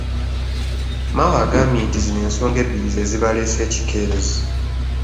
Mao agambye nti zino ensonga ebbiri ze zibaleese ekikeerezi.